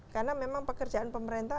karena memang pekerjaan pemerintah